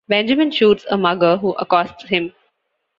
Benjamin shoots a mugger who accosts him.